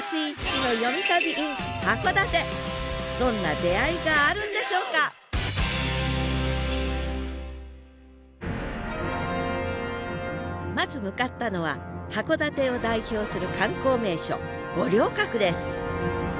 どんな出会いがあるんでしょうかまず向かったのは函館を代表する観光名所五稜郭です